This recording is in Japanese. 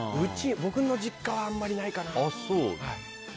僕の実家は、あまりないかな。